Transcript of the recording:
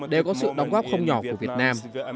đều có sự đóng góp không nhỏ của việt nam